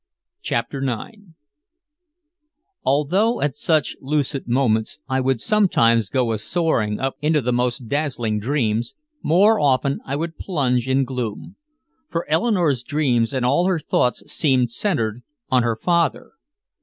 CHAPTER IX Although at such lucid moments I would sometimes go a soaring up into the most dazzling dreams, more often I would plunge in gloom. For Eleanore's dreams and all her thoughts seemed centered on her father.